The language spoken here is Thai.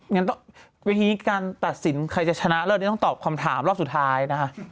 งั้นวิธีการตัดสินใครจะชนะเลิศนี้ต้องตอบคำถามรอบสุดท้ายนะคะ